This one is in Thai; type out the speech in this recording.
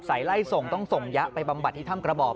ไล่ส่งต้องส่งยะไปบำบัดที่ถ้ำกระบอก